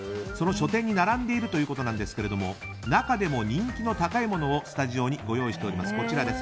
書店に並んでいるということですが中でも人気の高いものをスタジオにご用意しました。